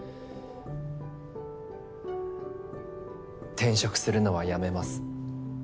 転職するのはやめます。